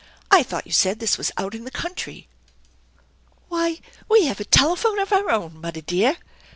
I thought you said this was out in the country." "Why, we have a telephone of our own, muddy dear!